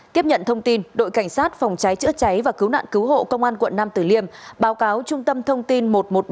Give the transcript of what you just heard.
tiếp nhận thông tin đội cảnh sát phòng cháy chữa cháy và cứu nạn cứu hộ công an quận nam tử liêm báo cáo trung tâm thông tin một trăm một mươi ba